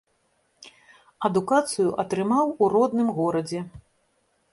Адукацыю атрымаў у родным горадзе.